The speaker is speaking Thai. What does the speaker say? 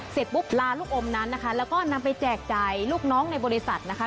เสร็จปุ๊บลาลูกอมนั้นนะคะแล้วก็นำไปแจกจ่ายลูกน้องในบริษัทนะคะ